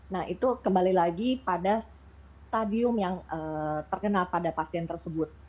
nah itu kembali lagi pada stadium yang terkena pada pasien tersebut